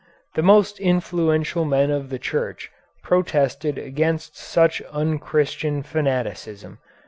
"The most influential men of the Church protested against such un Christian fanaticism.